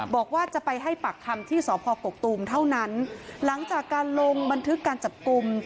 บอกว่าจะไปให้ปากคำที่สพกกตูมเท่านั้นหลังจากการลงบันทึกการจับกลุ่ม